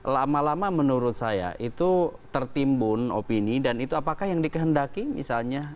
lama lama menurut saya itu tertimbun opini dan itu apakah yang dikehendaki misalnya